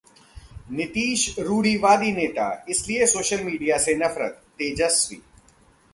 नीतीश रूढ़िवादी नेता, इसलिए सोशल मीडिया से नफरत: तेजस्वी